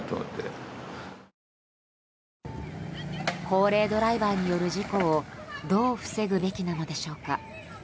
高齢ドライバーによる事故をどう防ぐべきなのでしょうか。